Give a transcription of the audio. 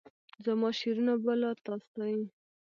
زماشعرونه به لا تا ستایي